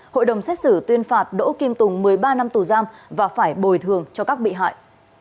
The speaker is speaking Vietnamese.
hội đồng xét xử tuyên phạt đỗ kim tùng một mươi ba năm tù giam và phải bồi thường cho các bị hại